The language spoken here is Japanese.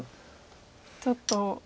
ちょっと。